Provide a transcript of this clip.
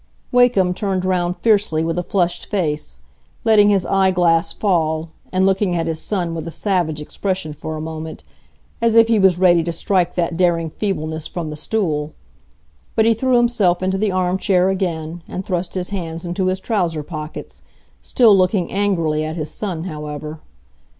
Wakem turned round fiercely, with a flushed face, letting his eye glass fall, and looking at his son with a savage expression for a moment, as if he was ready to strike that daring feebleness from the stool. But he threw himself into the armchair again, and thrust his hands into his trouser pockets, still looking angrily at his son, however.